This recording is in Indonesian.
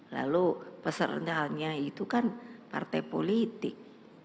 lalu pesertanya itu kan partai politik